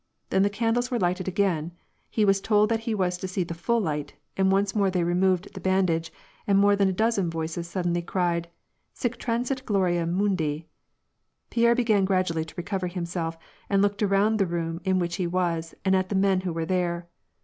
Then the candles were lighted again ; he was told that he was to see the full light, and once more they removed the bandage, and more than a dozen voices suddenly cried :" Sic transit gloria mundu" Pierre began gradually to recover himself, and looked around the room in which he was and at the men who were there.